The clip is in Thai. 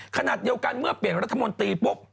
ขณะเดียวกันเมื่อเปลี่ยนรัฐมนตรีปุ๊บ